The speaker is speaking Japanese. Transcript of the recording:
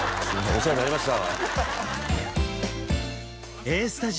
お世話になりました